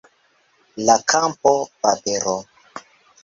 La kampo, papero